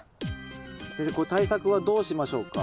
先生これ対策はどうしましょうか？